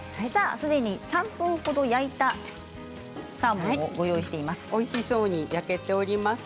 ３分ほど焼いたサーモンをご用意しています。